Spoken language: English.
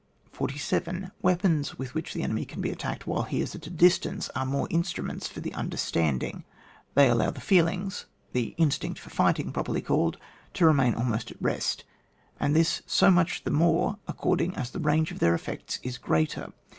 47. Weapons with which the enemy can be attacked while he is at a distance, are more instruments for the under standing; they allow the feelings, the 'instinct for fighting' properly called, to remain almost at rest, and this so much the more according as the range of their effects is greater.